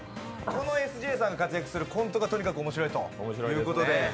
このＳＪさんが活躍するコントがとにかく面白いということで。